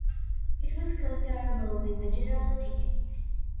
It was comparable with the general ticket.